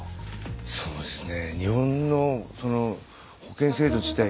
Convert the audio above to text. そうですね。